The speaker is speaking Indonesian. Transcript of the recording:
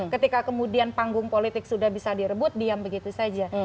ketika kemudian panggung politik sudah bisa direbut diam begitu saja